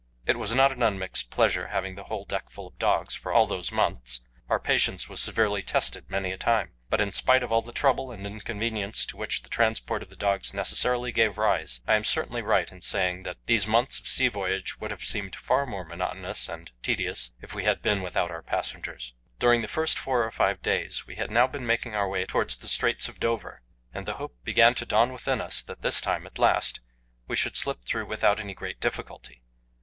It was not an unmixed pleasure having the whole deck full of dogs for all those months; our patience was severely tested many a time. But in spite of all the trouble and inconvenience to which the transport of the dogs necessarily gave rise, I am certainly right in saying that these months of sea voyage would have seemed far more monotonous and tedious if we had been without our passengers. During the first four or five days we had now been making our way towards the Straits of Dover, and the hope began to dawn within us that this time, as last, we should slip through without any great difficulty.